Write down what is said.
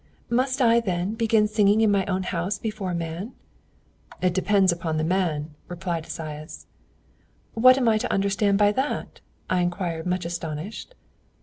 "'Must I, then, begin singing in my own house before a man?' "'It depends upon the man,' replied Esaias. "'What am I to understand by that?' I inquired, much astonished.